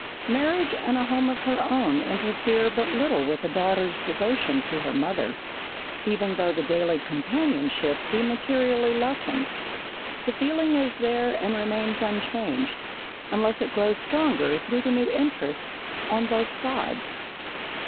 Marriage and a home of her own interfere but little with a daughter's devotion to her mother, even though the daily companionship be materially lessened. The feeling is there and remains unchanged, unless it grows stronger through the new interests on both sides.